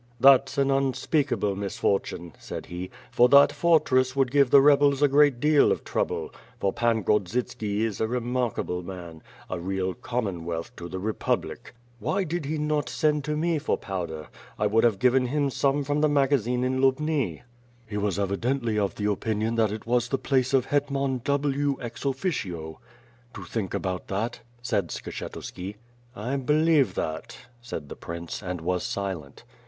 "That's an unspeakable misfortune," said he, "for that fortress would give the rebels a great deal of trouble; for Pan Grodzitski is a remarkable man; a real Commonwealth to the Republic. Why did he not send to me for powder? I would have given him some from the magazine in Lubni." "He was evidently of the opinion that it was the place of Hetman W. ex. officio to think about that," said Skshetuski. "I believe that," said the prince, and was silent.